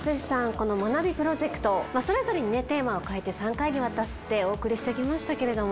この学びプロジェクトそれぞれにねテーマを変えて３回にわたってお送りしてきましたけれども。